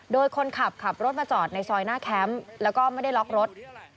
โดยคนขับขับรถมาจอดในซอยหน้าแคมป์แล้วก็ไม่ได้ล็อกรถ